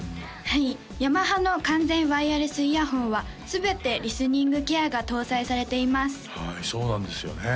はいヤマハの完全ワイヤレスイヤホンは全てリスニングケアが搭載されていますはいそうなんですよね